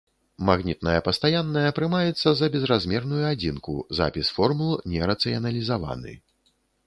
Магнітная пастаянная прымаецца за безразмерную адзінку, запіс формул не рацыяналізаваны.